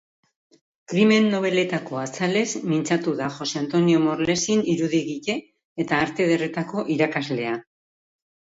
Krimen nobeletako azalez mintzatu da Jose Antonio Morlesin irudigile eta Arte Ederretako irakaslea.